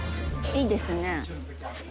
いいですね。